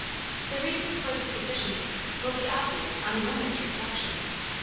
The reason for this deficiency will be obvious on a moment's reflection.